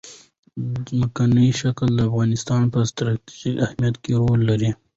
ځمکنی شکل د افغانستان په ستراتیژیک اهمیت کې رول لري.